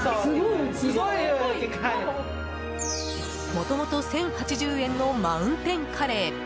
もともと１０８０円のマウンテンカレー。